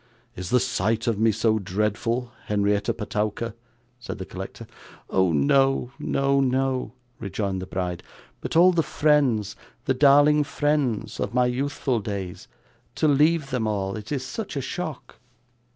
'Is the sight of me so dreadful, Henrietta Petowker?' said the collector. 'Oh no, no, no,' rejoined the bride; 'but all the friends the darling friends of my youthful days to leave them all it is such a shock!